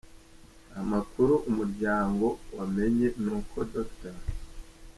Amakuru Umuryango wamenye ni uko Dr.